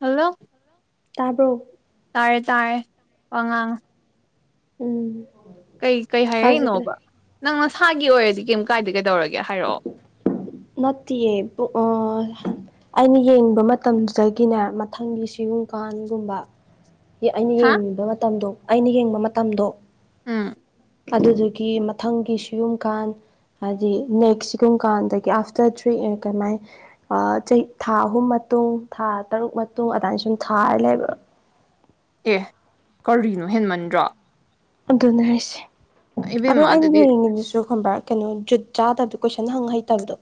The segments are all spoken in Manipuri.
ꯍꯜꯂꯣ ꯇꯥꯕ꯭ꯔꯣ ꯇꯥꯔꯦ ꯇꯥꯔꯦ ꯋꯥ ꯉꯥꯡꯉꯣ ꯎꯝ ꯀꯩ ꯀꯩ ꯍꯧꯖꯤꯛꯀꯤꯗ ꯍꯥꯏꯔꯛꯏꯅꯣꯕ ꯅꯪ ꯅꯁꯥꯒꯤ ꯑꯣꯏꯔꯗꯤ ꯀꯩꯝ ꯀꯥꯏꯗ ꯀꯩꯗꯧꯔꯒꯦ ꯍꯥꯏꯔꯛꯑꯣ ꯅꯠꯇꯦ ꯕ꯭ꯂꯣꯛ ꯑꯥ ꯑꯩꯅ ꯌꯦꯡꯅꯤꯡꯕ ꯃꯇꯝꯗꯨꯗꯒꯤꯅꯦ ꯃꯊꯪꯒꯤ ꯁꯤꯌꯨꯝꯀꯥꯟꯒꯨꯝꯕ ꯑꯩꯅ ꯍꯥ ꯌꯦꯡꯉꯤꯕ ꯃꯇꯝꯗꯣ ꯑꯩꯅ ꯌꯦꯡꯕ ꯃꯇꯝꯗꯣ ꯎꯝ ꯑꯗꯨꯗꯨꯒꯤ ꯃꯊꯪꯒꯤ ꯁꯤꯒꯨꯝ ꯀꯥꯟ ꯍꯥꯏꯗꯤ ꯅꯦꯛꯁ ꯁꯤꯒꯨꯝ ꯀꯥꯟꯗ ꯑꯣ ꯑꯐꯇꯔ ꯊ꯭ꯔꯤ ꯑꯦꯟꯀꯅꯥꯏ ꯑꯥ ꯆꯍꯤ ꯊꯥ ꯑꯍꯨꯝ ꯃꯇꯨꯡ ꯊꯥ ꯇꯔꯨꯛ ꯃꯇꯨꯡ ꯑꯗꯥꯏ ꯁꯨꯝ ꯊꯥꯔ ꯂꯩꯕ ꯑꯦ ꯀꯔꯤꯅꯣ ꯍꯦꯟꯃꯟꯗ꯭ꯔꯣ ꯑꯗꯨꯅꯦ ꯍꯥꯏꯁꯦ ꯑꯗꯣ ꯏꯕꯦꯝꯃ ꯑꯩꯅ ꯑꯗꯨꯗꯤ ꯌꯦꯡꯉꯤꯗꯨꯁꯨ ꯑꯗꯣ ꯈꯪꯕ꯭ꯔꯥ ꯀꯩꯅꯣ ꯖꯨꯠ ꯆꯥꯗꯕꯗꯣ ꯀꯣꯏꯁꯟ ꯍꯪ ꯍꯩꯇꯕꯗꯣ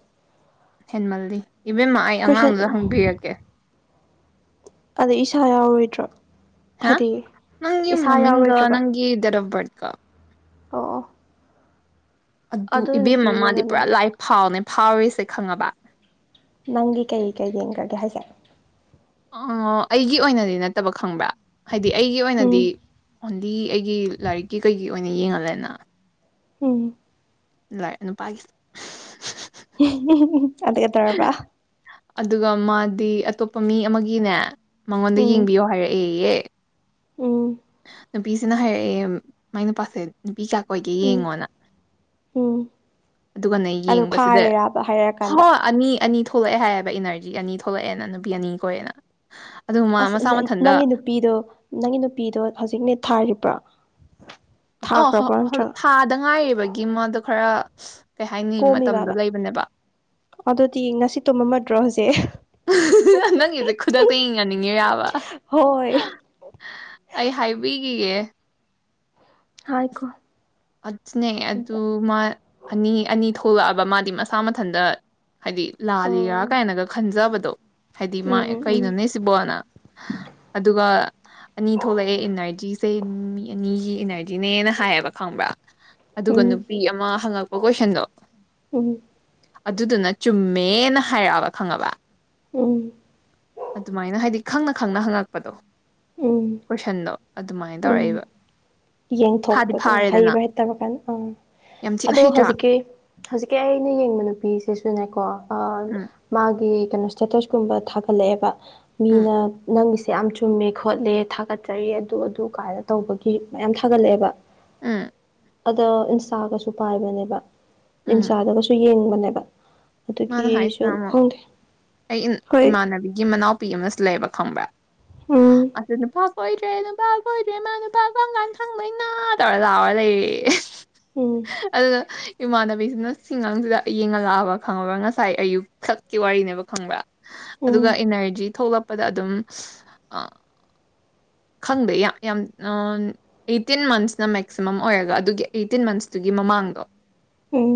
ꯍꯦꯟꯃꯜꯂꯤ ꯏꯕꯦꯝꯃ ꯑꯩ ꯑꯉꯥꯡ ꯀꯣꯏꯁꯟ ꯑꯃꯗ ꯍꯪꯕꯤꯔꯛꯀꯦ ꯑꯗ ꯏꯁꯥ ꯌꯥꯎꯔꯣꯏꯗ꯭ꯔꯣ ꯍꯥ ꯍꯥꯏꯗꯤ ꯅꯪ ꯏꯁꯥ ꯃꯃꯤꯡꯒ ꯌꯥꯎꯔꯣꯏꯗ꯭ꯔꯕ ꯅꯪꯒꯤ ꯗꯦꯠ ꯑꯣꯐ ꯕꯥꯔꯠ ꯀ ꯑꯣ ꯑꯣ ꯑꯗꯨ ꯏꯕꯦꯝꯃ ꯃꯥꯗꯤ ꯄꯨꯔꯥ ꯂꯥꯏ ꯐꯥꯎꯅꯦ ꯐꯥꯎꯔꯤꯁꯦ ꯈꯪꯉꯕ ꯅꯪꯒꯤ ꯀꯩ ꯀꯩ ꯌꯦꯡꯈ꯭ꯔꯒꯦ ꯍꯥꯏꯁꯦ ꯑꯣ ꯑꯩꯒꯤ ꯑꯣꯏꯅꯗꯤ ꯅꯠꯇꯕ ꯈꯪꯕ꯭ꯔꯥ ꯍꯥꯏꯗꯤ ꯑꯩꯒꯤ ꯑꯣꯏꯅꯗꯤ ꯎꯝ ꯑꯣꯟꯂꯤ ꯑꯩꯒꯤ ꯂꯥꯏꯔꯤꯛꯀꯤ ꯀꯩꯒꯤ ꯑꯣꯏꯅ ꯌꯦꯡꯍꯜꯂꯦꯅ ꯎꯝ ꯂꯥꯛ ꯅꯨꯄꯥꯒꯤꯁꯦ ꯑꯗꯨꯒ ꯇꯧꯔꯕ ꯑꯗꯨꯒ ꯃꯥꯗꯤ ꯑꯇꯣꯞꯄ ꯃꯤ ꯑꯃꯒꯤꯅꯦ ꯃꯉꯣꯟꯗ ꯎꯝ ꯌꯦꯡꯕꯤꯌꯣ ꯍꯥꯏꯔꯛꯑꯦꯌꯦ ꯎꯝ ꯅꯨꯄꯤꯁꯤꯅ ꯍꯥꯏꯔꯛꯑꯦ ꯃꯥꯏ ꯅꯨꯄꯥꯁꯦ ꯅꯨꯄꯤ ꯀꯌꯥ ꯀꯣꯏꯒꯦ ꯎꯝ ꯌꯦꯡꯉꯣꯅ ꯎꯝ ꯑꯗꯨꯒꯅꯦ ꯑꯗꯣ ꯌꯦꯡꯕꯁꯤꯗ ꯐꯥꯔꯤꯔꯕ ꯍꯣ ꯍꯥꯏꯔꯛꯑꯀꯥꯟꯗ ꯑꯅꯤ ꯑꯅꯤ ꯊꯣꯛ ꯊꯣꯛꯂꯛꯑꯦ ꯍꯥꯏꯌꯦꯑꯕ ꯏꯅꯔꯖꯤ ꯑꯅꯤ ꯊꯣꯛꯂꯛꯑꯦꯅ ꯅꯨꯄꯤ ꯑꯅꯤ ꯀꯣꯏꯔꯦꯅ ꯑꯗꯨ ꯃꯥ ꯑꯁ ꯃꯁꯥ ꯃꯊꯟꯇ ꯅꯪꯒꯤ ꯅꯨꯄꯤꯗꯣ ꯅꯪꯒꯤ ꯅꯨꯄꯤꯗꯣ ꯍꯧꯖꯤꯛꯅꯦ ꯊꯥꯔꯤꯕ꯭ꯔꯣ ꯑ ꯊꯥꯈ꯭ꯔꯕ꯭ꯔꯣ [unintelligible] ꯅꯠꯇ꯭ꯔꯒ ꯊꯥꯗ ꯉꯥꯏꯔꯤꯕꯒꯤ ꯃ ꯑꯗꯨꯣ ꯈꯔ ꯀꯩ ꯍꯥꯏꯅꯤ ꯃꯇꯝꯗꯣ ꯀꯣꯝꯃꯤꯕꯕ ꯂꯩꯕꯅꯦꯕ ꯑꯗꯨꯗꯤ ꯉꯁꯤ ꯇꯨꯝꯃꯝꯃꯗ꯭ꯔꯣ ꯍꯧꯖꯤꯛ ꯅꯪꯒꯤꯁꯦ ꯈꯨꯗꯛꯇ ꯌꯦꯡꯍꯟꯅꯤꯡꯉꯤꫪꯥꯕ ꯍꯣꯏ ꯑꯩ ꯍꯥꯏꯕꯤꯈꯤꯒ‌ꯦ ꯍꯥꯏꯈꫭ ꯑꯗꯨꯅꯦ ꯑꯗꯨ ꯃꯥ ꯑꯅꯤ ꯑꯅꯤ ꯊꯣꯛꯂꯛꯑꯕ ꯃꯥꯗꯤ ꯃꯁꯥ ꯃꯊꯟꯇ ꯍꯥꯏꯗꯤ ꯂꯥꯜꯂꯤꯔꯥ ꯎꯝ ꯀꯥꯏꯅꯒ ꯈꯟꯖꯕꯗꯣ ꯍꯥꯏꯗꯤ ꯃꯥ ꯎꯝ ꯎꯝ ꯀꯩꯅꯣꯅꯦ ꯁꯤꯕꯣꯅ ꯑꯗꯨꯒ ꯑꯅꯤ ꯊꯣꯛꯂꯛꯑꯦ ꯏꯅꯔꯖꯤꯁꯦ ꯃꯤ ꯑꯅꯤꯒꯤ ꯏꯅꯔꯖꯤꯅꯦꯅ ꯍꯥꯏꯌꯦꯕ ꯈꯪꯕ꯭ꯔꯥ ꯎꯝ ꯎꯝ ꯑꯗꯨꯒ ꯅꯨꯄꯤ ꯑꯃ ꯍꯪꯉꯛꯄ ꯀꯣꯏꯁꯟꯗꯣ ꯎꯝ ꯑꯗꯨꯗꯨꯅ ꯆꯨꯝꯃꯦꯅ ꯍꯥꯏꯔꯛꯑꯕ ꯈꯪꯉꯕ ꯎꯝ ꯑꯗꯨꯃꯥꯏꯅ ꯍꯥꯏꯗꯤ ꯈꯪꯅ ꯈꯪꯅ ꯍꯪꯉꯛꯄꯗꯣ ꯎꯝ ꯀꯣꯏꯁꯟꯗꯣ ꯑꯗꯨꯃꯥꯏꯅ ꯎꯝ ꯇꯧꯔꯛꯏꯕ ꯌꯦꯡꯊꯣꯛ ꯐꯥꯗꯤ ꯄꯗꫭ ꯐꯥꯔꯦꯗꯅ ꯍꯩꯕ ꯍꯩꯇꯕ ꯀꯥꯟ ꯑꯥ ꯌꯥꯝ ꯊꯤꯅ ꯑꯗꯣ ꯍꯩꯇ꯭ꯔꯥ ꯍꯧꯖꯤꯛꯀꯤ ꯍꯧꯖꯤꯛꯀꯤ ꯑꯩꯅ ꯌꯦꯡꯕ ꯅꯨꯄꯤꯁꯤꯁꯨꯅꯦꯀꯣ ꯎꯝ ꯃꯥꯒꯤ ꯀꯩꯅꯣ ꯁꯇꯦꯇꯁꯀꯨꯝꯕ ꯊꯥꯒꯠꯂꯛꯑꯦꯕ ꯎꯝ ꯃꯤꯅ ꯅꯪꯒꯤꯁꯦ ꯌꯥꯝ ꯆꯨꯝꯃꯦ ꯈꯣꯠꯂꯦ ꯊꯥꯒꯠꯆꯔꯤ ꯑꯗꯨ ꯑꯗꯨ ꯀꯥꯏꯅ ꯇꯧꯕꯒꯤ ꯃꯌꯥꯝ ꯊꯥꯒꯠꯂꯛꯑꯦꯕ ꯎꯝ ꯑꯗꫭ ꯏꯟꯁꯇꯥꯥꯒꯁꯨ ꯄꯥꯏꯕꯅꯦꯕ ꯎꯝ ꯏꯟꯁꯥꯗꯒꯁꯨ ꯌꯦꯡꯕꯅꯦꯕ ꯃꯥꯅ ꯑꯗꯨꯒꯤꯁꯨ ꯍꯥꯏꯁꯤꯅ ꯑꯃꯨꯛ ꯈꯪꯗꯦ ꯑꯩ ꯍꯣꯏ ꯏꯃꯥꯟꯅꯕꯤꯒꯤ ꯃꯅꯥꯎ ꯅꯨꯄꯤ ꯑꯃꯁꯨ ꯂꯩꯕ ꯈꯪꯕ꯭ꯔ ꯎꯝ ꯑꯗꯨ ꯅꯨꯄꯥ ꯀꯣꯏꯗ꯭ꯔꯦ ꯅꯨꯄꯥ ꯀꯣꯏꯗ꯭ꯔꯦ ꯃꯥ ꯅꯨꯄꯥ ꯀꯪꯀꯥꯟ ꯐꯩꯗꫭꯏꯅꫭ ꯇꯧꯔꯒ ꯂꯥꯎꯔ ꯎꯝ ꯂꯩꯔ‌ꯦꯌ‌ꯦ ꯑꯗꯨꯅ ꯏꯃꯥꯟꯅꯕꯤꯁꯤꯅ ꯁꯤꯑꯉꯥꯡꯁꯤꯗ ꯌꯦꯡꯍꯜꯂꯛꯑꯕ ꯈꯪꯉꯕ꯭ꯔꯥ ꯉꯁꯥꯏ ꯑꯌꯨꯛ ꯁꯛꯀꯤ ꯋꯥꯔꯤꯅꯦꯕ ꯈꯪꯕ꯭ꯔꯥ ꯎꯝ ꯑꯗꯨꯒ ꯏꯅꯔꯖꯤ ꯊꯣꯛꯂꯛꯄꯗ ꯑꯗꯨꯝ ꯈꯪꯗꯦ ꯌꯥꯝ ꯑꯩꯇꯤꯟ ꯃꯟꯁꯅ ꯃꯦꯛꯁꯤꯃꯝ ꯑꯣꯏꯔꯒ ꯑꯗꯨꯒꯤ ꯑꯩꯇꯤꯟ ꯃꯟꯁꯇꯨꯒꯤ ꯃꯃꯥꯡꯗꯣ ꯎꯝ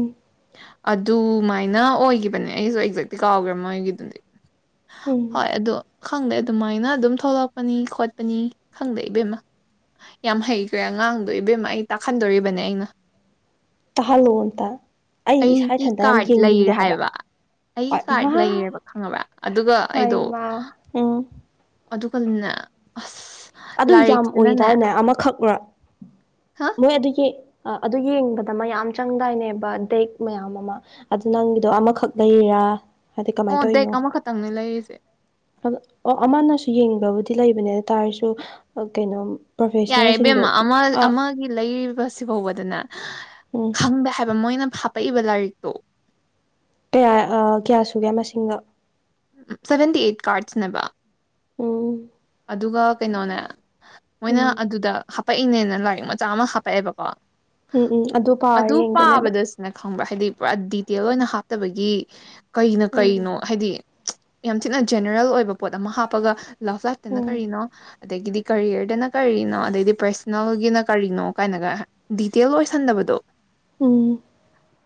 ꯑꯗꯨꯃꯥꯏꯅ ꯑꯣꯏꯈꯤꯕꯅꯦ ꯑꯩꯁꯨ ꯑꯦꯛꯖꯦꯛꯇꯤ ꯀꯥꯎꯈ꯭ꯔꯦ ꯃꯣꯏꯒꯤꯗꯨꯗꯤ ꯎꯝ ꯍꯣꯏ ꯑꯗꯣ ꯈꯪꯗꯦ ꯑꯗꯨꯃꯥꯏꯅ ꯑꯗꯨꯝ ꯊꯣꯛꯂꯛꯄꯅꯤ ꯈꯣꯠꯄꯅꯤ ꯈꯪꯗꯦ ꯏꯕꯦꯝꯃ ꯌꯥꯝ ꯍꯩꯈ꯭ꯔꯦ ꯑꯉꯥꯡꯗꯣ ꯏꯕꯦꯝꯃ ꯑꯩ ꯇꯥꯛꯈꯟꯗꯣꯔꯤꯕꯅꯦ ꯑꯩꯅ ꯇꯥꯍꯜꯂꯣ ꯑꯝꯇ ꯑꯩ ꯏꯁꯥ ꯑꯩꯒꯤ ꯏꯊꯟꯇ ꯌꯥꯝ ꯀꯥꯔꯗ ꯂꯩꯔꯦ ꯌꯦꯡꯅꯤꯡꯉꯦ ꯍꯥꯏꯕ ꯑꯩꯒꯤ ꯍꯣꯏ ꯀꯥꯔꯠ ꯃꯥ ꯂꯩꯌꯦꯕ ꯈꯪꯉꯕ꯭ꯔꯥ ꯑꯗꯨꯒ ꯑꯩꯗꯣ ꯍꯥꯏꯃ ꯎꯝ ꯑꯗꯨꯒꯅꯦ ꯑꯁ ꯑꯗꯨ ꯌꯥꯝ ꯂꯥꯏꯔꯤꯛꯁꯤꯅꯅꯦ ꯑꯣꯏꯗꯥꯏꯅꯦ ꯑꯃꯈꯛꯅ ꯍꯥ ꯃꯣꯏ ꯑꯗꯨꯒꯤ ꯑꯗꯨ ꯌꯦꯡꯕꯗ ꯃꯌꯥꯝ ꯆꯪꯗꯥꯏꯅꯦꯕ ꯗꯦꯛ ꯃꯌꯥꯝ ꯑꯃ ꯑꯗꯨ ꯅꯪꯒꯤꯗꯣ ꯑꯃꯈꯛ ꯂꯩꯔꯥ ꯍꯥꯏꯗꯤ ꯀꯃꯥꯏꯅ ꯑꯣ ꯗꯦꯛ ꯇꯧꯔꯤꯅꯣ ꯍꯥꯏꯕ ꯑꯃꯈꯛꯇꯪꯅꯦ ꯂꯩꯔꯤꯁꯦ ꯑꯣ ꯑꯃꯅꯁꯨ ꯌꯦꯡꯕꯕꯨꯗꯤ ꯂꯩꯕꯅꯦ ꯑꯗꯨ ꯇꯥꯔꯁꯨ ꯀꯩꯅꯣ ꯌꯥꯔꯦ ꯏꯕꯦꯝ ꯄ꯭ꯔꯣꯐꯦꯁꯅꯦꯜꯁꯤꯡꯗꯣ ꯑꯃ ꯑꯥ ꯑꯃꯒꯤ ꯂꯩꯔꯤꯕꯁꯤ ꯐꯥꯎꯕꯗꯅ ꯎꯝ [unintelligible] ꯍꯥꯏꯕ ꯃꯣꯏꯅ ꯐꯥꯞꯄꯛꯏꯕ ꯂꯥꯏꯔꯤꯛꯇꯣ ꯀꯌꯥ ꯀꯌꯥ ꯁꯨꯒꯦ ꯃꯁꯤꯡꯗꯣ ꯁꯚꯦꯟꯇꯤ ꯑꯩꯠ ꯀꯥꯔꯠꯁꯅꯦꯕ ꯎꯝ ꯑꯗꯨꯒ ꯀꯩꯅꯣꯅꯦ ꯃꯣꯏꯅ ꯎꯝ ꯑꯗꯨꯗ ꯍꯥꯄꯛꯏꯅꯦꯅ ꯂꯥꯏꯔꯤꯛ ꯃꯆꯥ ꯑꯃ ꯍꯥꯄꯛꯑꯦꯕꯀꯣ ꯎꯝ ꯎꯝ ꯑꯗꯨ ꯄꯥꯔꯦ ꯌꯦꯡꯗꯨꯅꯦꯕ ꯅ ꯈꯪꯕ꯭ꯔꯥ ꯍꯥꯏꯗꯤ ꯄꯨꯔꯥ ꯗꯤꯇꯦꯜ ꯑꯣꯏꯅ ꯍꯥꯞꯇꯕꯒꯤ ꯀꯩꯅ ꯎꯝ ꯀꯩꯅꯣ ꯍꯥꯏꯗꯤ ꯌꯥꯝ ꯊꯤꯅ ꯖꯦꯅꯔꯦꯜ ꯑꯣꯏꯕ ꯄꯣꯠ ꯑꯃ ꯍꯥꯞꯄꯒ ꯂꯞ ꯂꯥꯏꯐꯇꯅ ꯎꯝ ꯀꯔꯤꯅꯣ ꯑꯗꯒꯤꯗꯤ ꯀꯔꯤꯌꯔꯗꯅ ꯀꯔꯤꯅꯣ ꯑꯗꯩꯗꯤ ꯄꯔꯁꯅꯦꯜꯒꯤꯅ ꯀꯔꯤꯅꯣ ꯀꯥꯏꯅꯒ ꯗꯤꯇꯦꯜ ꯑꯣꯏꯁꯟꯗꯕꯗꯣ ꯎꯝ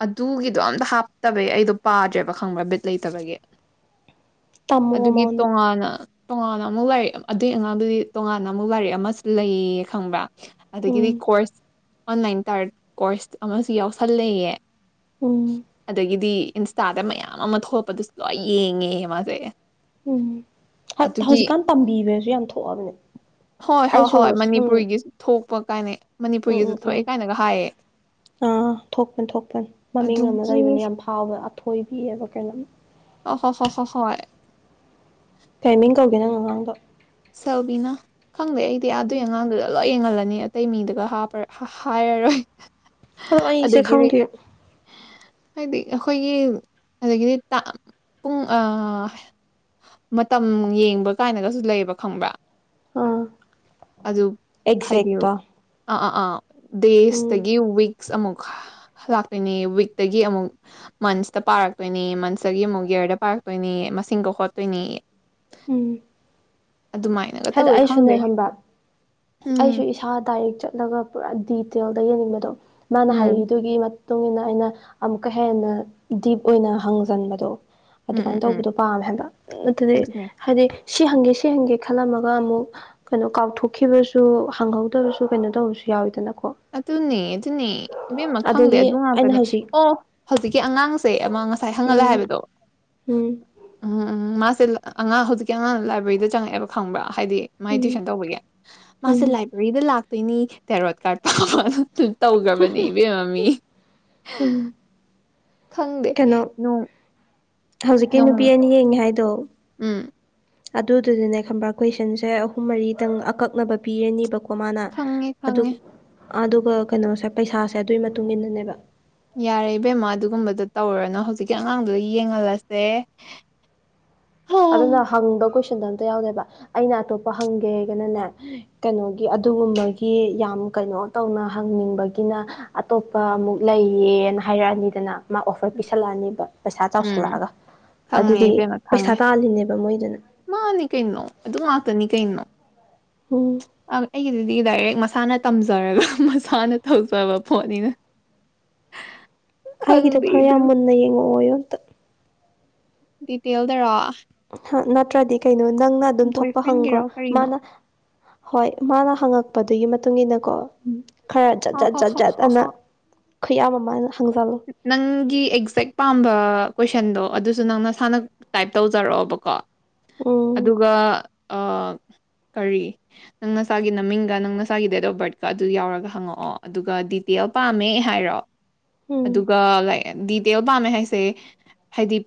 ꯑꯗꯨꯒꯤꯗꯣ ꯑꯝꯇ ꯍꯥꯞꯇꯕꯩ ꯑꯩꯗꯣ ꯄꯥꯗ꯭ꯔꯦꯕ ꯈꯪꯕ꯭ꯔ ꯕꯤꯠ ꯂꯩꯇꯕꯒꯤ ꯇꯝꯃꯣ ꯑꯗꯨꯒꯤ ꯃꯉꯣꯟꯗ ꯇꯣꯉꯥꯟꯅ ꯇꯣꯉꯥꯟꯅ ꯑꯃꯨꯛ ꯂꯥꯏꯔꯤꯛ ꯑꯗꯨꯒꯤ ꯑꯉꯥꯡꯗꯨꯗꯤ ꯇꯣꯉꯥꯟꯅ ꯑꯃꯨꯛ ꯂꯥꯏꯔꯤꯛ ꯑꯃꯁꯨ ꯂꯩꯌꯦ ꯈꯪꯕ꯭ꯔꯥ ꯑꯗꯒꯤꯗꯤ ꯎꯝ ꯀꯣꯔꯁ ꯑꯣꯟꯂꯥꯏꯟ ꯇꯥꯔ ꯀꯣꯔꯁ ꯑꯃꯁꯨ ꯌꯥꯎꯁꯜꯂꯌꯦ ꯎꯝ ꯑꯗꯒꯤꯗꯤ ꯏꯟꯁꯇꯥꯗ ꯃꯌꯥꯝ ꯑꯃ ꯊꯣꯛꯄꯗꯨꯁꯨ ꯂꯣꯏ ꯌꯦꯡꯉꯦ ꯃꯥꯁꯦ ꯎꯝ ꯑꯗꯨꯒꯤ ꯍꯧꯖꯤꯛꯀꯥꯟ ꯇꯝꯕꯤꯕ꯭ꯔꯁꯨ ꯌꯥꯝ ꯊꯣꯛꯑꯕꯅꯦ ꯍꯣꯏ ꯍꯣꯏ ꯑꯩꯁꯨ ꯍꯣꯏ ꯁꯨꯝ ꯃꯅꯤꯄꯨꯔꯒꯤꯁꯨ ꯊꯣꯛꯄ ꯀꯥꯏꯅ ꯎꯝ ꯃꯅꯤꯄꯨꯔꯒꯤꯁꯨ ꯎꯝ ꯎꯝ ꯊꯣꯛꯑꯦ ꯀꯥꯏꯅꯒ ꯍꯥꯏꯌꯦ ꯑꯥ ꯊꯣꯛꯄꯅꯤ ꯊꯣꯛꯄꯅꯤ ꯃꯃꯤꯡ ꯑꯃ ꯑꯗꯨꯒꯤ ꯂꯩꯕꯅꯦ ꯌꯥꯝ ꯐꯥꯎꯕ ꯑꯊꯣꯏꯕꯤꯑꯕ ꯀꯩꯅꯣꯝ ꯑꯣ ꯍꯣ ꯆ ꯆꯣ ꯍꯣꯏ ꯇꯥꯏꯃꯤꯡ ꯀꯧꯒꯦ ꯅꯪ ꯑꯉꯥꯡꯗꯣ ꯁꯦꯜꯕꯤꯅꯥ ꯈꯪꯗꯦ ꯑꯩꯗꯤ ꯑ ꯑꯗꯨꯏ ꯎꯝ ꯑꯉꯥꯡꯗꯨꯗ ꯂꯣꯏ ꯌꯦꯡꯍꯜꯂꯅꯤ ꯑꯇꯩ ꯃꯤꯗꯨꯒꯄ ꯍꯥꯏꯔꯔꯣꯏ ꯑꯗꯣ ꯑꯩꯁꯦ ꯑꯗꯒꯤꯗꯤ ꯈꯪꯗꯦ ꯍꯥꯏꯗꯤ ꯑꯩꯈꯣꯏꯒꯤ ꯑꯗꯒꯤꯗꯤ ꯄꯨꯡ ꯃꯇꯝ ꯌꯦꯡꯕ꯭ꯔꯥ ꯀꯥꯏꯅꯒꯁꯨ ꯂꯩꯌꯦꯕ ꯈꯪꯕ꯭ꯔꯥ ꯑꯥ ꯑꯗꯨ ꯍꯥꯏꯗꯤ ꯑꯦꯛꯖꯦꯛꯇꯣ ꯑꯥ ꯑꯥ ꯑꯥ ꯎꯝ ꯗꯦꯖꯇꯒꯤ ꯋꯤꯛꯁ ꯑꯃꯨꯛ ꯂꯥꯛꯇꯣꯏꯅꯦ ꯋꯤꯛꯇꯒꯤ ꯑꯃꯨꯛ ꯃꯟꯁꯇ ꯄꯥꯔꯛꯇꯣꯏꯅꯤ ꯃꯟꯁꯇꯒꯤ ꯑꯃꯨꯛ ꯒꯌꯔꯗ ꯄꯥꯔꯛꯇꯣꯏꯅꯤ ꯃꯁꯤꯡꯗꯣ ꯈꯣꯠꯇꯣꯏꯅꯤ ꯎꯝ ꯑꯗꯨꯃꯥꯏ ꯍꯥꯏꯗ ꯑꯩꯁꯨꯅꯦ ꯈꯡꯕ ꯑꯩꯁꯨ ꯎꯝ ꯏꯁꯥ ꯗꯥꯏꯔꯦꯛ ꯆꯠꯂꯒ ꯄꯨꯔꯥ ꯗꯤꯇꯦꯜꯗ ꯌꯦꯡꯅꯤꯡꯕꯗꯣ ꯃꯥꯅ ꯎꯝ ꯍꯥꯏꯔꯤꯗꯨꯒꯤ ꯃꯇꯨꯡꯟꯅ ꯑꯩꯅ ꯑꯃꯨꯛꯀ ꯍꯦꯟꯅ ꯗꯤꯞ ꯑꯣꯏꯅ ꯍꯪꯖꯟꯕꯗꯣ ꯎꯝ ꯎꯝ ꯑꯗꯨꯃꯥꯏꯅ ꯎꯝ ꯇꯧꯕꯗꯣ ꯄꯥꯝꯃꯦ ꯍꯥꯏꯕ ꯑꯗꯨꯗꯤ ꯑꯗꯨꯅꯦ ꯍꯥꯏꯗꯤ ꯁꯤ ꯍꯪꯒꯦ ꯁꯤ ꯍꯪꯒꯦ ꯈꯜꯂꯝꯃꯒ ꯑꯃꯨꯛ ꯀꯩꯅꯣ ꯀꯥꯎꯊꯣꯛꯈꯤꯕꯁꯨ ꯍꯪꯍꯧꯗꯕꯁꯨ ꯀꯩꯅꯣ ꯇꯧꯕꯁꯨ ꯌꯥꯎꯋꯤꯗꯅꯀꯣ ꯑꯗꯨꯅꯦ ꯑꯗꯨꯅꯦ ꯏꯕꯦꯝꯃ ꯈꯪꯗꯦ ꯑꯗꯒꯤ ꯑꯗꯨ ꯑꯩꯅ ꯉꯥꯛꯇꯅꯦ ꯍꯧꯖꯤꯛ ꯑꯣ ꯍꯧꯖꯤꯛꯀꯤ ꯑꯉꯥꯡꯁꯦ ꯑꯃ ꯉꯁꯥꯏ ꯍꯪꯉꯥꯜꯂꯦ ꯎꯝ ꯍꯥꯏꯕꯗꯣ ꯎꯝ ꯎꯝ ꯎꯝ ꯃꯥꯁꯦ ꯑꯉꯥꯡ ꯍꯧꯖꯤꯛꯀꯤ ꯑꯉꯥꯡꯅ ꯂꯥꯏꯕ꯭ꯔꯦꯔꯤꯗ ꯆꯪꯉꯛꯑꯦꯕ ꯈꯪꯕ꯭ꯔꯥ ꯍꯥꯏꯗꯤ ꯃꯥꯥꯏ ꯎꯝ ꯇꯨꯏꯁꯟ ꯇꯧꯕꯒꯤ ꯃꯥꯁꯦ ꯎꯝ ꯂꯥꯏꯕ꯭ꯔꯦꯔꯤꯗ ꯂꯥꯛꯇꯣꯏꯅꯤ ꯇꯦꯔꯣꯠ ꯀꯥꯔꯠ ꯄꯥꯕꯅꯥ ꯑꯗꯨ ꯇꯧꯈ꯭ꯔꯕꯅꯦ ꯏꯕꯦꯝꯃꯥ ꯃꯤ ꯎꯝ ꯈꯪꯗꯦ ꯀꯩꯅꯣ ꯅꯨꯡ ꯍꯧꯖꯤꯛꯀꯤ ꯅꯨꯄꯤ ꯑꯅꯤ ꯌꯦꯡꯉꯤ ꯍꯥꯏꯗꯣ ꯎꯝ ꯑꯗꯨꯗꯨꯅꯥꯅꯦ ꯈꯪꯕ ꯀꯣꯏꯁꯟꯁꯦ ꯑꯍꯨꯝ ꯃꯔꯤꯗꯪ ꯑꯀꯛꯅꯕ ꯄꯤꯔꯅꯤꯕꯀꯣ ꯀꯣ ꯃꯥꯅ ꯈꯪꯉꯦ ꯑꯗꯨ ꯈꯪꯉꯦ ꯑꯗꯨꯒ ꯀꯩꯅꯣꯁꯦ ꯄꯩꯁꯥꯁꯦ ꯑꯗꯨꯒꯤ ꯃꯇꯨꯡ ꯏꯟꯅꯅꯦꯕ ꯌꯥꯔꯦ ꯏꯕꯦꯝꯃꯥ ꯑꯗꯨꯒꯨꯝꯕꯗꯣ ꯇꯧꯔꯅꯨ ꯍꯧꯖꯤꯛꯀꯤ ꯑꯉꯥꯡꯗꯨꯗ ꯌꯦꯡꯍꯜꯂꯁꯦ ꯍꯥ ꯑꯗꯨꯅ ꯍꯪꯕ ꯀꯣꯏꯁꯟꯗꯣ ꯑꯝꯇ ꯌꯥꯎꯗꯦꯕ ꯑꯩꯅ ꯑꯇꯣꯞꯄ ꯍꯪꯒꯦ ꯍꯥꯏꯒꯅꯅꯦ ꯀꯩꯅꯣꯒꯤ ꯑꯗꯨꯒꯨꯝꯕꯒꯤ ꯌꯥꯝ ꯀꯩꯅꯣ ꯇꯧꯅ ꯍꯪꯅꯤꯡꯕꯒꯤꯅ ꯑꯇꯣꯞꯄ ꯑꯃꯨꯛ ꯂꯩꯌꯦꯅ ꯍꯥꯏꯔꯛꯑꯅꯤꯗꯅ ꯃꯥ ꯑꯣꯐꯔ ꯄꯤꯁꯜꯂꯛꯑꯅꯤꯕ ꯄꯩꯁꯥ ꯎꯝ ꯆꯥꯎꯁꯜꯂꯛꯑꯒ ꯈꯪꯉꯦ ꯑꯗꯨꯗꯤ ꯏꯕꯦꯝꯃ ꯄꯩꯁꯥ ꯈꯪꯉꯦ ꯇꯥꯜꯂꯤꯅꯦꯕ ꯃꯣꯏꯗꯨꯅ ꯃꯥꯅꯤ ꯀꯩꯅꯣ ꯑꯗꯨ ꯉꯥꯛꯇꯅꯤ ꯀꯩꯅꯣ ꯎꯝ ꯑꯩꯒꯤꯗꯨꯗꯤ ꯗꯥꯏꯔꯦꯛ ꯃꯁꯥꯅ ꯇꯝꯖꯔꯒ ꯃꯁꯥꯅ ꯇꯧꯖꯕ ꯄꯣꯠꯅꯤꯅ ꯑꯩꯒꯤꯗꯣ ꯈꯪꯗꯦ ꯈꯔ ꯌꯥꯝ ꯏꯕꯦꯝ ꯃꯨꯟꯅ ꯌꯦꯡꯉꯛꯑꯣꯌꯨ ꯗꯤꯇꯦꯜꯗꯔꯣ ꯅꯠꯇ꯭ꯔꯗꯤ ꯀꯩꯅꯣ ꯅꯪꯅ ꯑꯗꯨꯝ ꯕꯣꯏ ꯊꯣꯛꯄ ꯍꯪꯈ꯭ꯔꯣ ꯐ꯭ꯔꯦꯟꯒꯤꯔꯣ ꯀꯔꯤꯅꯣ ꯃꯥꯅ ꯍꯣꯏ ꯃꯥꯅ ꯍꯪꯉꯛꯄꯗꯨꯒꯤ ꯃꯇꯨꯡ ꯏꯟꯅꯀꯣ ꯎꯝ ꯈꯔ ꯖꯠ ꯍ ꯖꯠ ꯍ ꯖꯠ ꯍ ꯖꯠ ꯍ ꯑꯅ ꯍ ꯈꯨꯌꯥꯝ ꯑꯃ ꯑꯩꯅꯥ ꯍꯪꯖꯜꯂꯨ ꯅꯪꯒꯤ ꯑꯦꯛꯖꯦꯛ ꯄꯥꯝꯕ ꯀꯣꯏꯁꯟꯗꯣ ꯑꯗꯨꯁꯨ ꯅꯪꯅ ꯁꯥꯟꯅ ꯇꯥꯏꯞ ꯇꯧꯖꯔꯛꯑꯕꯀꯣ ꯎꯝ ꯑꯗꯨꯒ ꯑꯥ ꯀꯔꯤ ꯅꯪ ꯅꯁꯥꯒꯤ ꯅꯃꯤꯡꯒ ꯅꯪ ꯅꯁꯥꯒꯤ ꯗꯦꯠ ꯑꯣꯐ ꯕꯥꯔꯠꯀ ꯑꯗꯨ ꯌꯥꯎꯔꯒ ꯍꯪꯉꯛꯑꯣ ꯑꯗꯨꯒ ꯗꯤꯇꯦꯜ ꯄꯥꯝꯃꯦ ꯍꯥꯏꯔꯣ ꯎꯝ ꯑꯗꯨꯒ ꯂꯥꯏ ꯗꯤꯇꯦꯜ ꯄꯥꯝꯃꯦ ꯍꯥꯏꯁꯦ ꯍꯥꯏꯗꯤ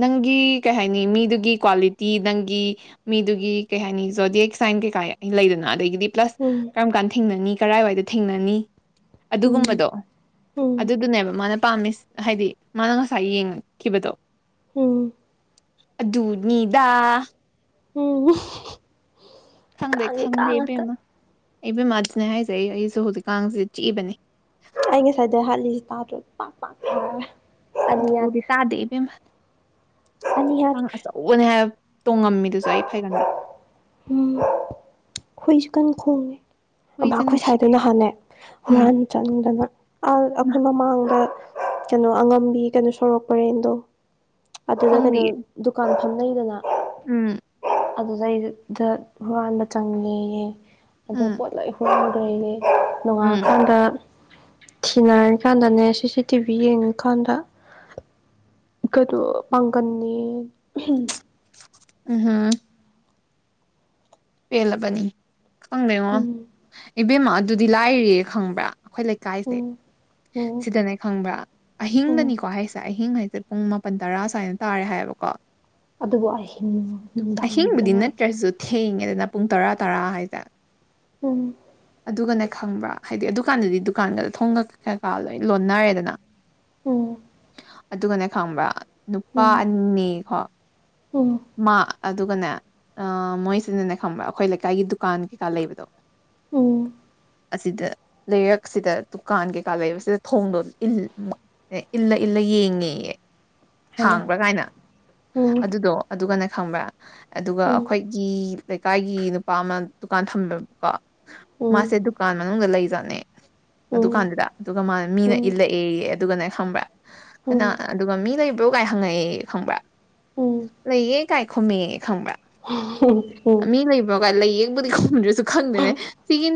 ꯅꯪꯒꯤ ꯀꯩ ꯍꯥꯏꯅꯤ ꯃꯤꯗꯨꯒꯤ ꯀ꯭ꯋꯥꯂꯤꯇꯤ ꯅꯪꯒꯤ ꯃꯤꯗꯨꯒꯤ ꯀꯩ ꯍꯥꯏꯅꯤ ꯖꯣꯗꯤꯑꯦꯛ ꯁꯥꯏꯟ ꯀꯩꯀꯥ ꯂꯩꯗꯅ ꯑꯗꯒꯤꯗꯤ ꯄ꯭ꯂꯁ ꯎꯝ ꯀꯔꯝ ꯀꯥꯟ ꯊꯦꯡꯅꯅꯤ ꯀꯔꯥꯏꯋꯥꯏꯗ ꯊꯦꯡꯅꯅꯤ ꯎꯝ ꯑꯗꯨꯒꯨꯝꯕꯗꯣ ꯎꯝ ꯑꯗꯨꯗꯨꯅꯦꯕ ꯃꯥꯅ ꯄꯥꯝꯃꯤ ꯍꯥꯏꯗꯤ ꯃꯥꯅ ꯉꯁꯥꯏ ꯌꯦꯡꯈꯤꯕꯗꯣ ꯎꯝ ꯑꯗꯨꯅꯤꯗ ꯎꯝ ꯈꯪꯗꯦ ꯀꯥꯡꯒꯤ ꯈꯪꯗꯦ ꯀꯥꯡ ꯉꯥꯛꯇ ꯏꯕꯦꯝꯃꯥ ꯏꯕꯦꯝꯃꯥ꯫ ꯑꯗꯨꯅꯦ ꯍꯥꯏꯖꯩ ꯑꯩꯁꯨ ꯍꯧꯖꯤꯛꯀꯁꯤ ꯆꯤꯛꯏꯕꯅꯤ ꯑꯩ ꯉꯁꯥꯏꯗ ꯍꯥꯠꯂꯤꯁꯤ ꯇꯥꯗ꯭ꯔ ꯄꯥꯛ ꯄꯥꯛ ꯊꯔꯒꯥ ꯑꯗꯨꯕꯨꯗꯤ ꯇꯥꯗꯦ ꯏꯕꯦꯝꯃ ꯑꯅꯤ ꯃꯅꯥ ꯌꯥꯠꯈ꯭ꯔꯦ ꯑꯆꯧꯕꯥ ꯑꯆꯧꯕꯅꯦ ꯍꯥꯏꯕꯥ ꯇꯣꯡꯉꯝꯃꯤꯗꯨꯁꯨ ꯑꯩ ꯐꯩꯒꯟꯗ ꯎꯝ ꯍꯣꯏꯁꯨ ꯀꯥꯟ ꯈꯣꯡꯉꯦ ꯕꯥ ꯍꯨꯏꯁꯦ ꯑꯩꯈꯣꯏ ꯁ꯭ꯋꯥꯏꯗ ꯅꯨꯡꯁꯤꯗꯦ ꯅꯍꯥꯟꯅꯦ ꯎꯝ ꯍꯨꯔꯥꯟꯕꯥ ꯆꯪꯅꯗꯅ ꯑ ꯑꯩꯈꯣꯏ ꯃꯃꯥꯡꯗ ꯀꯩꯅꯣ ꯑꯉꯝꯕꯤ ꯀꯩꯅꯣ ꯁꯣꯔꯣꯛ ꯄꯥꯔꯦꯡꯗꯣ ꯑꯗꯨꯅ ꯀꯩꯅꯣ ꯈꯪꯗꯤꯌꯦ ꯗꯨꯀꯥꯟ ꯐꯝꯅꯩꯗꯅ ꯎꯝ ꯑꯗꯨꯗꯩꯗꯨꯗ ꯍꯨꯔꯥꯟꯕ ꯆꯪꯂꯦꯌꯦ ꯑꯗꯣ ꯎꯝ ꯄꯣꯠꯂꯣꯏ ꯍꯨꯨꯔꯟ ꯈꯔꯦꯅꯦ ꯎꯝ ꯅꯣꯡꯉꯥꯑꯀꯥꯟꯗ ꯊꯤꯅꯔꯤꯀꯥꯟꯗꯅꯦ ꯁꯤ ꯁꯤ ꯇꯤ ꯚꯤ ꯌꯦꯡꯉꯀꯥꯟꯗ ꯀꯩꯅꯣ ꯄꯥꯡꯒꯟꯅꯦꯌꯦ ꯎꯝ ꯍꯝ ꯄꯦꯜꯂꯕꯅꯤ ꯈꯪꯗꯦꯉꯣ ꯎꯝ ꯏꯕꯦꯝꯃ ꯑꯗꯨꯗꯤ ꯂꯥꯏꯔꯤ ꯈꯪꯕ꯭ꯔꯥ ꯑꯩꯈꯣꯏ ꯂꯩꯀꯥꯏꯁꯦ ꯎꯝ ꯎꯝ ꯁꯤꯗꯅꯦ ꯈꯪꯕ꯭ꯔꯥ ꯎꯝ ꯑꯍꯤꯡꯗꯅꯤꯀꯣ ꯍꯥꯏꯁꯦ ꯑꯍꯤꯡ ꯍꯥꯏꯁꯦ ꯄꯨꯡ ꯃꯥꯄꯟ ꯇꯔꯥ ꯁꯨꯃꯥꯏꯅ ꯇꯥꯔꯦ ꯍꯥꯏꯌꯦꯕꯀꯣ ꯑꯗꯨꯕꯨ ꯑꯍꯤꯡ ꯅꯨꯡꯗꯥꯡ ꯑꯣꯏꯕꯗ ꯑꯍꯤꯡꯕꯨꯗꯤ ꯉꯥꯏ ꯅꯠꯇ꯭ꯔꯁꯨ ꯊꯦꯡꯉꯦꯗꯅ ꯄꯨꯡ ꯇꯔꯥ ꯇꯔꯥ ꯍꯥꯏꯁꯦ ꯎꯝ ꯑꯗꯨꯒꯅꯦ ꯈꯪꯕ꯭ꯔꯥ ꯍꯥꯏꯗꯤ ꯑꯗꯨꯀꯥꯟꯗꯗꯤ ꯗꯨꯀꯥꯟꯒꯗ ꯊꯣꯡꯒ ꯀꯌꯥ ꯀꯥ ꯂꯣꯏ ꯂꯣꯟꯅꯔꯦꯗꯅ ꯎꯝ ꯑꯗꯨꯒꯅꯦ ꯈꯪꯕ꯭ꯔꯥ ꯅꯨꯄꯥ ꯎꯝ ꯑꯅꯤꯀꯣ ꯎꯝ ꯃꯥ ꯑꯗꯨꯒꯅꯦ ꯑ ꯃꯣꯏꯁꯤꯅꯅꯦ ꯈꯪꯕ꯭ꯔꯥ ꯑꯩꯈꯣꯏ ꯂꯩꯀꯥꯏꯒꯤ ꯗꯨꯀꯥꯟ ꯀꯩꯀꯥ ꯂꯩꯕꯗꯣ ꯎꯝ ꯑꯁꯤꯗ ꯂꯩꯔꯛꯁꯤꯗ ꯗꯨꯀꯥꯟ ꯀꯩꯀꯥ ꯂꯩꯕꯁꯤꯗ ꯊꯣꯡꯗꯣ ꯏ ꯑꯦ ꯏꯜꯂ ꯏꯜꯂ ꯌꯦꯡꯉꯦꯌꯦ ꯍꯥꯏꯃ ꯍꯥꯡꯕ꯭ꯔꯥ ꯀꯥꯏꯅ ꯎꯝ ꯑꯗꯨꯗꯣ ꯑꯗꯨꯒꯅ ꯈꯪꯕ꯭ꯔꯥ ꯑꯗꯨꯒ ꯎꯝ ꯑꯩꯈꯣꯏ ꯒꯤ ꯂꯩꯀꯥꯏꯒꯤ ꯅꯨꯄꯥ ꯑꯃ ꯗꯨꯀꯥꯟ ꯊꯝꯃꯦꯕꯀꯣ ꯎꯝ ꯃꯥꯁꯦ ꯗꯨꯀꯥꯟ ꯃꯅꯨꯡꯗ ꯂꯩꯖꯥꯠꯅꯦ ꯎꯝ ꯑꯗꯨꯀꯥꯟꯗꯨꯗ ꯑꯗꯨꯒ ꯃꯥꯅ ꯃꯤꯅ ꯎꯝ ꯏꯜꯂꯛꯑꯦꯌꯦ ꯑꯗꯨꯒꯅꯦ ꯈꯪꯕ꯭ꯔꯥ ꯀꯅꯥ ꯎꯝ ꯑꯗꯨꯒ ꯃꯤ ꯂꯩꯕ꯭ꯔꯣ ꯀꯥꯏ ꯍꯪꯉꯛꯑꯦꯌꯦ ꯈꯪꯕ꯭ꯔꯥ ꯎꯝ ꯂꯩꯌꯦ ꯀꯥꯏ ꯈꯨꯝꯃꯦꯑ ꯈꯪꯕ꯭ꯔꯥ ꯎꯝ ꯃꯤ ꯂꯩꯕ꯭ꯔꯣ ꯀꯥꯏ ꯂꯩꯌꯦꯕꯨꯗꯤ ꯈꯨꯝꯗ [unintelligible] ꯁꯨ ꯈꯪꯗꯦꯅꯦ ꯁꯤꯒꯤ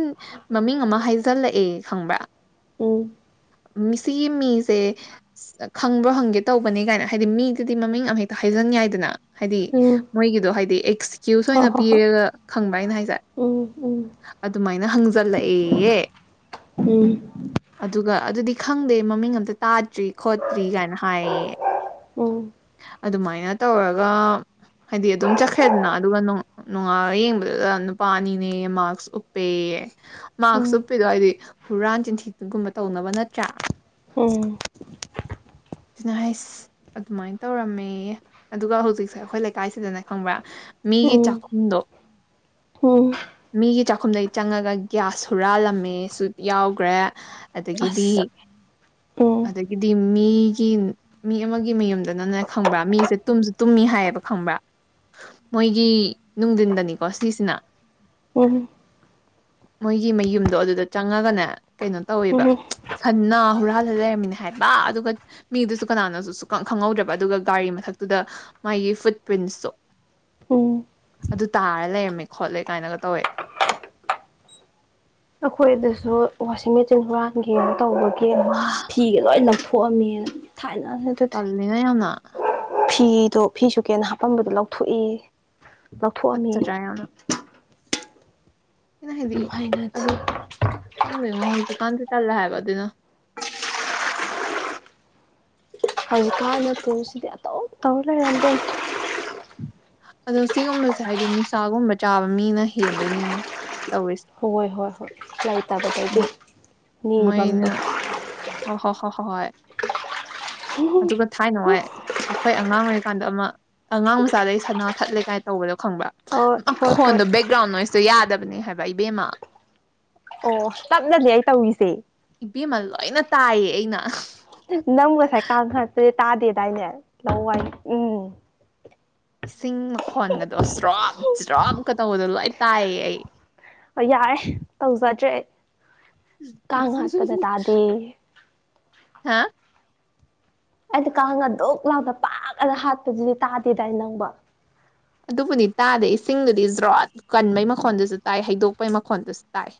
ꯃꯃꯤꯡ ꯑꯃ ꯍꯥꯏꯖꯜꯂꯛꯑꯦ ꯈꯪꯕ꯭ꯔꯥ ꯎꯝ ꯃꯤꯁꯤꯒꯤ ꯃꯤꯁꯦ ꯑꯁ ꯈꯪꯕ꯭ꯔꯣ ꯍꯪꯒꯦ ꯇꯧꯕꯅꯦ ꯀꯥꯏꯅ ꯍꯥꯏꯗꯤ ꯃꯤꯗꯨꯗꯤ ꯃꯃꯤꯡ ꯑꯃꯍꯦꯛꯇ ꯍꯥꯏꯖꯟ ꯌꯥꯏꯗꯅ ꯍꯥꯏꯗꯤ ꯎꯝ ꯃꯣꯏꯒꯤꯗꯣ ꯍꯥꯏꯗꯤ ꯑꯦꯛꯁꯀ꯭ꯌꯨꯁ ꯍꯣꯏ ꯑꯣꯏꯅ ꯍꯣꯏ ꯄꯤꯔꯒ ꯈꯪꯕ ꯑꯩꯅ ꯍꯥꯏꯁꯦ ꯑꯗꯨꯃꯥꯏꯅ ꯍꯪꯖꯜꯂꯛꯑꯦꯌꯦ ꯎꯝ ꯑꯗꯨꯒ ꯑꯗꯨꯗꯤ ꯈꯪꯗꯦ ꯃꯃꯤꯡ ꯑꯝꯇ ꯇꯥꯗ꯭ꯔꯤ ꯈꯣꯠꯇ꯭ꯔꯤ ꯀꯥꯏꯅ ꯍꯥꯏꯌꯦ ꯎꯝ ꯎꯝ ꯑꯗꯨꯃꯥꯏꯅ ꯇꯧꯔꯒ ꯍꯥꯏꯗꯤ ꯑꯗꯨꯝ ꯆꯠꯈ꯭ꯔꯦꯗꯅ ꯑꯗꯨꯒ ꯅꯨꯡꯉꯟꯂꯒ ꯌꯦꯡꯕꯗꯨꯗ ꯅꯨꯄꯥ ꯑꯅꯤꯅꯦ ꯃꯥꯛꯁ ꯎꯞꯄꯦ ꯃꯥꯛꯁ ꯎꯞꯄꯤꯗꯣ ꯍꯥꯏꯗꯤ ꯍꯨꯔꯥꯟ ꯆꯤꯟꯊꯤꯒꯨꯝꯕ ꯇꯧꯅꯕ ꯅꯠꯇ꯭ꯔꯥ ꯎꯝ ꯁꯤꯅ ꯍꯥꯏꯁ ꯑꯗꯨꯃꯥꯏꯅ ꯇꯧꯔꯝꯃꯦꯌꯦ ꯑꯗꯨꯒ ꯍꯧꯖꯤꯛꯁꯦ ꯑꯩꯈꯣꯏ ꯂꯩꯀꯥꯏꯁꯤꯗꯅꯦ ꯈꯪꯕ꯭ꯔꯥ ꯎꯝ ꯃꯤꯒꯤ ꯎꯝ ꯆꯥꯛꯈꯨꯝꯗꯣ ꯎꯝ ꯃꯤꯒꯤ ꯆꯥꯛꯈꯨꯝꯗꯒꯤꯩ ꯆꯪꯉꯒ ꯒꯤꯒ꯭ꯌꯥꯁ ꯍꯨꯔꯥꯜꯂꯝꯃꯤ ꯁ꯭ꯋꯤꯞ ꯌꯥꯎꯈ꯭ꯔꯦ ꯑꯗꯒꯤꯗꯤ ꯑꯁ ꯎꯝ ꯑꯗꯒꯤꯗꯤ ꯃꯤꯒꯤ ꯃꯤ ꯑꯃꯒꯤ ꯃꯌꯨꯝꯗꯅꯅꯦ ꯈꯪꯕ꯭ꯔꯥ ꯃꯤꯁꯦ ꯇꯨꯝꯁꯨ ꯇꯨꯝꯃꯤ ꯍꯥꯏꯌꯦꯕ ꯈꯪꯕ꯭ꯔꯥ ꯃꯣꯏꯒꯤ ꯅꯨꯡꯊꯤꯟꯗꯅꯤꯀꯣ ꯁꯤꯁꯤꯅ ꯎꯝ ꯃꯣꯏꯒꯤ ꯃꯌꯨꯝꯗꯣ ꯑꯗꯨꯗ ꯆꯪꯉꯒꯅꯦ ꯀꯩꯅꯣ ꯇꯧꯋꯤꯕ ꯎꯝ ꯈꯟꯅ ꯍꯨꯔꯥꯜꯂ ꯂꯩꯔꯝꯃꯤꯅꯦ ꯍꯥꯏꯕ ꯑꯗꯨꯒ ꯃꯤꯗꯨꯁꯨ ꯀꯅꯥꯅꯣꯁꯨ ꯁꯨꯈꯪ ꯈꯪꯍꯧꯗ꯭ꯔꯕ ꯑꯗꯨꯒ ꯒꯥꯔꯤ ꯃꯊꯛ ꯇꯨꯗ ꯃꯥꯒꯤ ꯐꯨꯠ ꯄ꯭ꯔꯤꯟꯁꯇꯣ ꯑꯣ ꯑꯗꯨ ꯇꯥꯔ ꯂꯩꯔꯝꯃꯦ ꯈꯣꯠꯂꯦ ꯀꯥꯏꯅꯒ ꯇꯧꯋꯦ ꯑꯩꯈꯣꯏ ꯑꯗꯁꯨ ꯋꯥꯁꯤꯡ ꯃꯦꯆꯤꯟ ꯍꯨꯔꯥꯟꯒꯤꯅ ꯇꯧꯕꯒꯤ ꯃꯥ ꯐꯤ ꯐꯤꯒ ꯂꯣꯏ ꯂꯪꯊꯣꯛꯑꯝꯃꯦ ꯊꯥꯏꯅ ꯇꯜꯂꯤꯅ ꯌꯥꯝꯅ ꯐꯤꯗꯣ ꯐꯤꯁꯨ ꯀꯦꯅ ꯍꯥꯄꯝꯕꯗꯣ ꯂꯧꯊꯣꯛ ꯑ‌ꯦꯌ‌ꯦ ꯂꯧꯊꯣꯛꯑꯝꯃ‌ꯦꯌ‌ꯦ ꯇꯨꯀꯠꯆꯗ꯭ꯔꯥ ꯌꯥꯝꯅ ꯑꯩꯅ ꯍꯥꯏꯗꯤ ꯌꯥꯝ ꯍꯩꯅꯗꯦ ꯑꯗꯨ ꯈꯪꯗꯣꯏꯉꯣ ꯍꯧꯖꯤꯛꯀꯥꯟꯗꯤ ꯇꯜꯂꯦ ꯍꯥꯏꯕ ꯑꯗꯨꯅ ꯍꯧꯖꯤꯛꯀꯥꯟꯅ ꯀꯣꯜꯁꯤꯗꯤ ꯑꯗꯨꯝ ꯇꯧꯔ ꯂꯩꯔꯝ ꯢꯕꯦꯝ ꯑꯗꯣ ꯁꯤꯒꯨꯝꯕꯁꯦ ꯍꯥꯏꯗꯤ ꯅꯤꯁꯥꯒꯨꯝꯕ ꯆꯥꯕ ꯃꯤꯅ ꯍꯦꯟꯗꯣꯏꯅꯤꯉꯣ ꯇꯧꯔꯤꯁꯦ ꯍꯣꯏ ꯍꯣꯏ ꯍꯣꯏ ꯂꯩ ꯇꯥꯕꯗꯒꯤ ꯃꯣꯏ ꯅꯤꯕꯝꯗꯣ ꯑꯣ ꯍꯣ ꯍꯣ ꯍꯣ ꯍꯣꯏ ꯑꯗꯨꯒ ꯊꯥꯏ ꯅꯨꯡꯉꯥꯏ ꯑꯩꯈꯣꯏ ꯑꯉꯥꯡ ꯑꯣꯏꯔꯤꯀꯥꯟꯗ ꯑꯃ ꯑꯉꯥꯡ ꯃꯆꯥꯗꯒꯤ ꯁꯅꯥ ꯊꯠꯂꯦ ꯀꯥꯏ ꯇꯧꯕꯗꯣ ꯈꯪꯕꯔꯥ ꯍꯣꯏ ꯍꯣꯏ ꯍꯣꯏ ꯃꯈꯣꯟꯗꯣ ꯕꯦꯛꯒ꯭ꯔꯥꯎꯟ ꯅꯣꯏꯇꯣ ꯌꯥꯗꯕꯅꯦ ꯍꯥꯏꯕ ꯏꯕꯦꯝꯃ ꯑꯣ ꯇꯞꯅꯅꯦ ꯑꯩ ꯇꯧꯔꯤꯁꯦ ꯏꯕꯦꯝꯃ ꯂꯣꯏꯅ ꯇꯥꯏꯌꯦ ꯑꯩꯅ ꯅꯪ ꯉꯁꯥꯏ ꯀꯥꯡꯍꯥꯠꯄꯗꯤ ꯇꯥꯗꯦꯗꯥꯏꯅꯦ ꯂꯧ ꯋꯥꯏ ꯎꯝ ꯏꯁꯤꯡ ꯃꯈꯣꯟꯒꯗꯣ ꯆ꯭ꯔꯣꯞ ꯆ꯭ꯔꯣꯞꯀ ꯇꯧꯕꯗꯣ ꯂꯣꯏ ꯇꯥꯏꯌꯦ ꯑꯩ ꯌꯥꯔꯦ ꯇꯧꯖꯗ꯭ꯔꯦ ꯑꯩ ꯀꯥꯡ ꯍꯥꯠꯄꯗ ꯇꯥꯗꯦꯌꯦ ꯍꯥꯥ ꯑꯩꯗꯤ ꯀꯥꯡ ꯑꯗꯨꯛ ꯂꯥꯎꯅ ꯄꯥꯛ ꯑꯥꯅ ꯍꯥꯠꯄꯗꯨꯗꯤ ꯇꯥꯗꯦꯗꯥꯏ ꯅꯪꯕꯣ ꯑꯗꯨꯕꯨꯅꯤ ꯇꯥꯗꯦ ꯏꯁꯤꯡꯗꯨꯗꯤ ꯖ꯭ꯔꯣꯠ ꯀꯟꯕꯩ ꯃꯈꯣꯟꯗꯨꯖꯨ ꯇꯥꯏ ꯍꯩꯗꯣꯛꯄꯩ ꯃꯈꯣꯟꯜꯗꯨꯖꯨ ꯇꯥꯏ